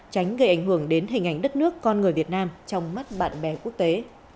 tránh gây ảnh hưởng đến hình ảnh đất nước con người việt nam trong mắt bạn bè quốc tế